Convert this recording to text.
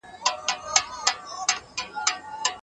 طبیعت د ماشومانو لپاره ترټولو لوی ښوونځی دی.